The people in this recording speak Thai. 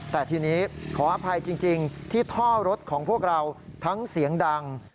แต่ทีนี้ขออภัยจริงที่ท่อรถของพวกเราทั้งเสียงดัง